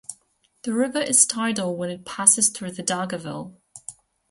The river is tidal when it passes through Dargaville.